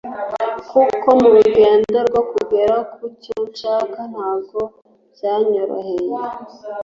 kuko mu rugendo rwo kugera ku cyo nshaka ntago byanyoroheye